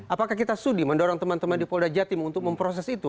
apakah kita studi mendorong teman teman di polda jatim untuk memproses itu